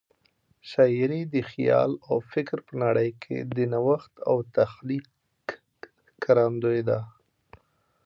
شاعري د خیال او فکر په نړۍ کې د نوښت او تخلیق ښکارندوی ده.